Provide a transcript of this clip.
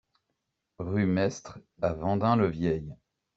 Rue Maistre à Vendin-le-Vieil